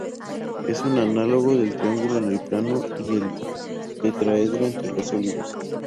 Es un análogo del triángulo en el plano y el tetraedro entre los sólidos.